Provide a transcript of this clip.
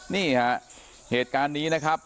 นี่ฮะเหตุการณ์นี้นะครับ